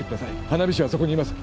花火師はそこにいます